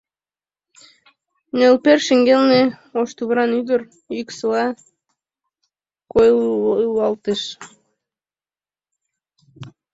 Нӧлпер шеҥгелне, ош тувыран ӱдыр йӱксыла койылалтыш.